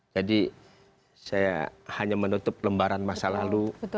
jadi saya hanya menutup lembaran masa lalu